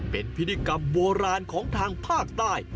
เป็นพิธีกรรมโบราณของทางภาคใต้